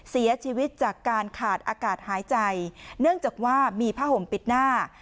เสียชีวิตจากการขาดอากาศหายใจเนื่องจากว่ามีผ้าห่มปิดหน้า